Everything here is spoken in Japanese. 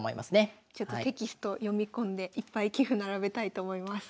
テキストを読み込んでいっぱい棋譜並べたいと思います。